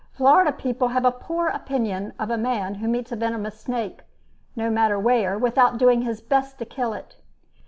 Florida people have a poor opinion of a man who meets a venomous snake, no matter where, without doing his best to kill it.